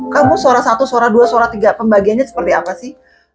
kamu suara satu suara dua suara tiga pembagiannya seperti apa sih